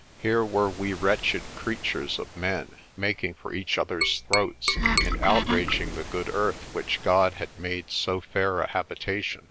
Here were we wretched creatures of men making for each other's throats, and outraging the good earth which God had made so fair a habitation.